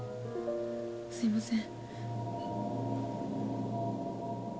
すいません